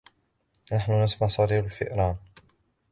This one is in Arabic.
نحن نسمع صرير الفئران.